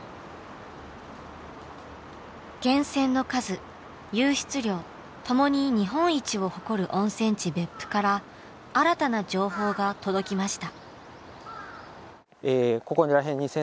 源泉の数湧出量ともに日本一を誇る温泉地別府から新たな情報が届きました。